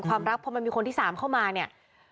ความรักพอมันมีคนที่๓เข้ามาเนี่ย